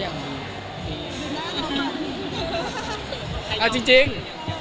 แล้วแต่เรื่อง